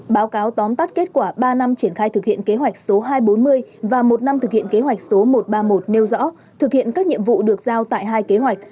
báo cáo tóm tắt kết quả ba năm triển khai thực hiện kế hoạch số hai trăm bốn mươi và một năm thực hiện kế hoạch số một trăm ba mươi một nêu rõ thực hiện các nhiệm vụ được giao tại hai kế hoạch